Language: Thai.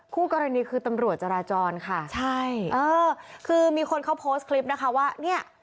คู่กรณีคือตำรวจจราจรค่ะใช่เออคือมีคนเขาโพสต์คลิปนะคะว่าเนี่ย